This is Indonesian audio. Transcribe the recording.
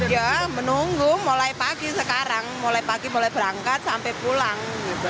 ya menunggu mulai pagi sekarang mulai pagi mulai berangkat sampai pulang